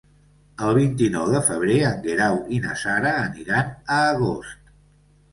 El vint-i-nou de febrer en Guerau i na Sara aniran a Agost.